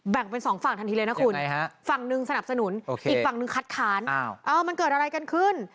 เป็นสองฝั่งทันทีเลยนะคุณฝั่งหนึ่งสนับสนุนอีกฝั่งนึงคัดค้านมันเกิดอะไรกันขึ้น